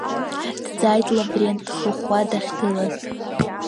Дҵааит Лаврент дхыхәхәа дахьгылаз.